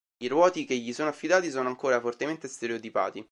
I ruoti che gli sono affidati sono ancora fortemente stereotipati.